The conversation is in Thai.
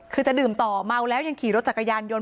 คือจะดื่มต่อเมาแล้วยังขี่รถจักรยานยนต์